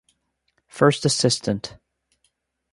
First Assistant.